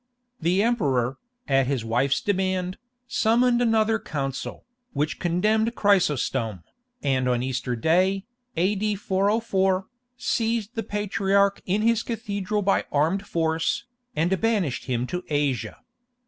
The Emperor, at his wife's demand, summoned another council, which condemned Chrysostom, and on Easter Day, A.D. 404, seized the patriarch in his cathedral by armed force, and banished him to Asia.